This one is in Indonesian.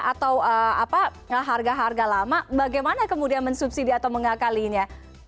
atau harga harga lama bagaimana kemudian mensubsidi atau mengakalinya